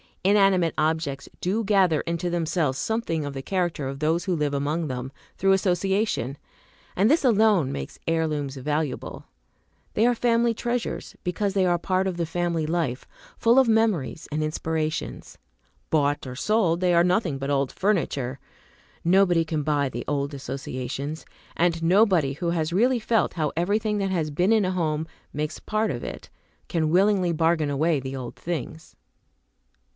Inanimate Objects do gather into themselves something of the character of those who live among them, through association; and this alone makes heirlooms valuable. They are family treasures, because they are part of the family life, full of memories and inspirations. Bought or sold, they are nothing but old furniture. Nobody can buy the old associations; and nobody who has really felt how everything that has been in a home makes part of it, can willingly bargain away the old things.